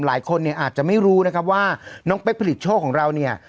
หลายคนเนี่ยอาจจะไม่รู้นะครับว่าน้องเป๊กผลิตโชคของเราเนี่ย